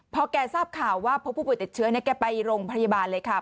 พอแกทราบข่าวว่าพบผู้ป่วยติดเชื้อเนี่ยแกไปโรงพยาบาลเลยค่ะ